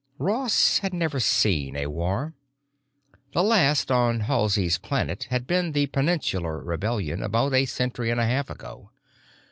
Ross had never seen a war. The last on Halsey's planet had been the Peninsular Rebellion about a century and a half ago.